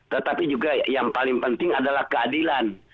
tetapi juga yang paling penting adalah keadilan